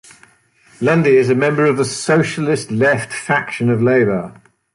Lundy is a member of the Socialist Left faction of Labor.